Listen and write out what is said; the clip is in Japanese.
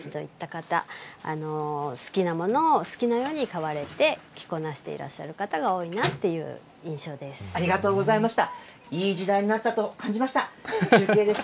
男性、女性、若い方、ちょっと年のいった方、好きなものを好きなように買われて、着こなしていらっしゃる方が多いなっていう印象ありがとうございました。